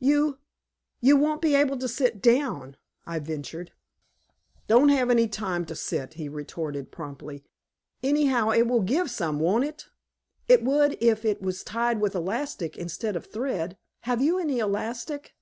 "You you won't be able to sit down," I ventured. "Don't have any time to sit," he retorted promptly. "Anyhow, it will give some, won't it? It would if it was tied with elastic instead of thread. Have you any elastic?"